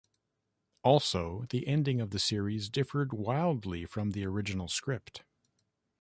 Also, the ending of the series differed wildly from the original script.